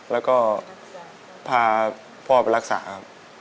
แล้วก็พาพ่อไปรักษาครับ